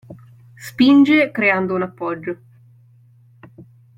Spinge creando un appoggio.